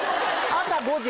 朝５時！